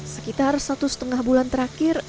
sekitar satu setengah bulan terakhir